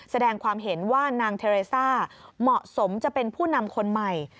แสดงความเห็นว่านางเทเรซ่าเหมาะสมจะเป็นผู้นำคนใหม่